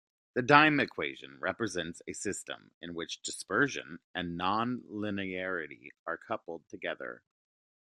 The Dym equation represents a system in which dispersion and nonlinearity are coupled together.